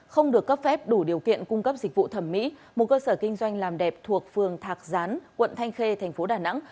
không được cấp phép đủ điều kiện cung cấp dịch vụ thẩm mỹ một cơ sở kinh doanh làm đẹp thuộc phường thạc gián quận thanh khê thành phố đà nẵng